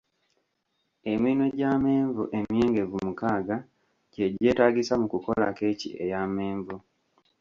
Eminwe gy'amenvu emyengevu mukaaga gye gyetaagisa mu kukola kkeeki ey'amenvu.